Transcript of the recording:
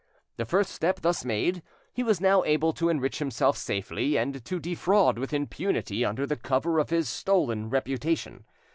The first step thus made, he was now able to enrich himself safely and to defraud with impunity under the cover of his stolen reputation.